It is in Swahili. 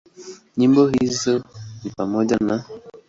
Nyimbo hizo ni pamoja na;